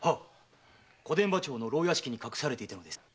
小伝馬町の牢屋敷に隠されていたのです。